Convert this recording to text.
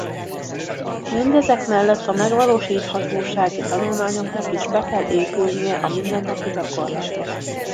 Mindezek mellett a megvalósíthatósági tanulmányoknak is be kell épülnie a mindennapi gyakorlatba.